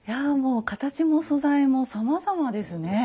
もう形も素材もさまざまですね。